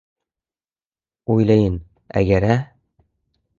O‘layin agar-a!